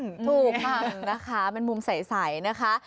ถูกค่ะเป็นมุมใสนะคะ